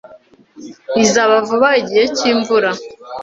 Bizaba vuba igihe cyimvura.